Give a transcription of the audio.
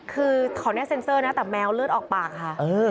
คือขออนุญาตเซ็นเซอร์นะแต่แมวเลือดออกปากค่ะ